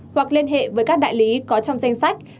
hoặc liên hệ với các đại lý có trong danh sách